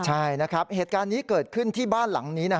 ใช่นะครับเหตุการณ์นี้เกิดขึ้นที่บ้านหลังนี้